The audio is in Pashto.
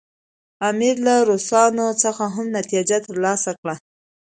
امیر له روسانو څخه هم نتیجه ترلاسه کړه.